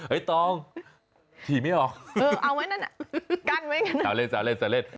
เฮ้ยตองฉี่ไม่ออกเออเอาไว้นั่นกั้นไว้กันเอาเล่นเอาเล่นเอาเล่น